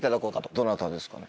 どなたですかね？